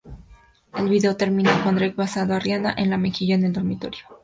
El video termina con Drake besando a Rihanna en la mejilla en el dormitorio.